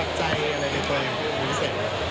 รักใจอะไรในตัวเองอะไรพิเศษ